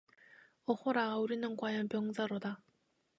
오호라, 우리는 과연 병자로다.